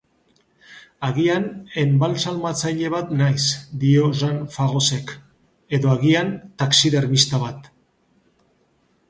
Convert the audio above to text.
“Agian enbaltsamatzaile bat naiz”, dio Jean Pharosek. “Edo agian taxidermista bat..."